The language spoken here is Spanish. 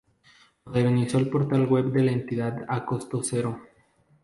Modernizó el portal web de la Entidad a costo cero.